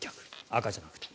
赤じゃなくて。